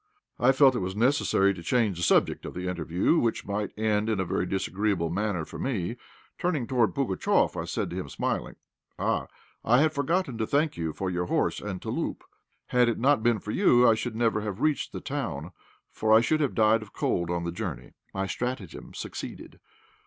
I felt it was necessary to change the subject of the interview, which might end in a very disagreeable manner for me. Turning toward Pugatchéf, I said to him, smiling "Ah! I had forgotten to thank you for your horse and 'touloup.' Had it not been for you, I should never have reached the town, for I should have died of cold on the journey." My stratagem succeeded.